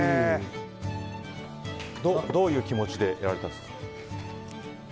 どういう気持ちでやられたんですか？